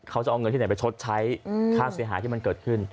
เขาจะเอาเงินที่ไหนไปชดใช้ค่าเสียหายที่มันเกิดขึ้น